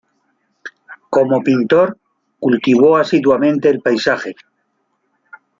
Como pintor, cultivó asiduamente el paisaje.